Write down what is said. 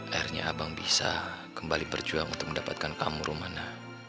akhirnya abang bisa kembali berjuang untuk mendapatkan kamu rumana